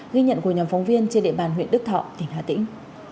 ghi nhận của nhóm phóng viên trên địa bàn huyện đức thọ tỉnh hà tĩnh